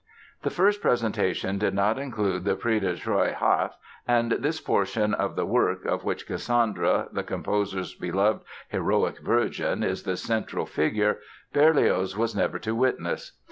The first presentation did not include the "Prise de Troie" half, and this portion of the work, of which Cassandra, the composer's beloved "heroic virgin" is the central figure, Berlioz was never to witness.